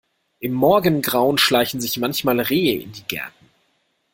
Im Morgengrauen schleichen sich manchmal Rehe in die Gärten.